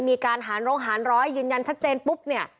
มีการหารโรงหารร้อยยืนยันชัดเจนปุ๊บเนี่ย